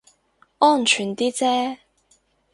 安全啲啫